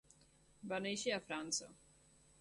Va néixer a França.